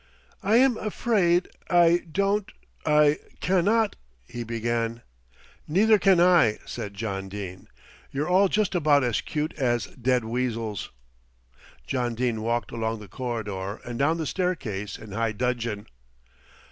"I am afraid I don't I cannot " he began. "Neither can I," said John Dene. "You're all just about as cute as dead weasels." John Dene walked along the corridor and down the staircase in high dudgeon.